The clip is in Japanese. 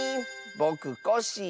「ぼくコッシー」